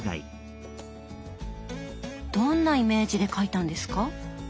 どんなイメージで描いたんですか？